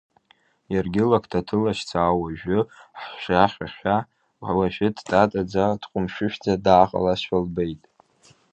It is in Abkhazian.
Иаргьы, лакҭа ҭылашьцаа, уаҩы хжәахьшәашәа, уажәы дтатаӡа, дҟәымшәышәӡа дааҟалазшәа лбеит.